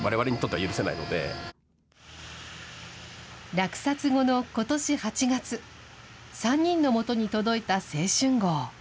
落札後のことし８月、３人のもとに届いた青春号。